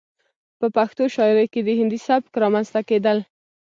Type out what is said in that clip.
،په پښتو شاعرۍ کې د هندي سبک رامنځته کېدل